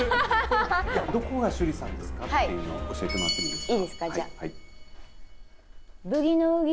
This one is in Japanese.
どこが趣里さんですかっていうのを教えてもらってもいですか。